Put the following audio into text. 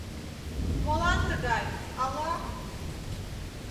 Молан тыгай, ала?